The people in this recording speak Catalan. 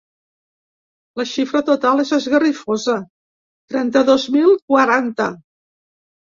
La xifra total és esgarrifosa: trenta-dos mil quaranta.